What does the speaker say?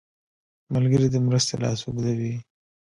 ملګری د مرستې لاس اوږدوي